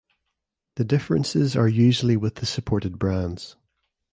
The differences are usually with the supported brands.